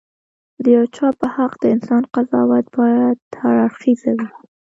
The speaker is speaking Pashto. د یو چا په حق د انسان قضاوت باید هراړخيزه وي.